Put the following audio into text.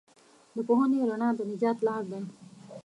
د پوهې رڼا د نجات لار ده.